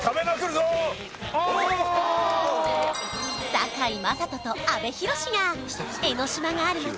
堺雅人と阿部寛が江の島がある町